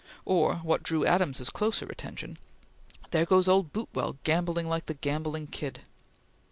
Or what drew Adams's closer attention: "There goes old Boutwell gambolling like the gambolling kid!"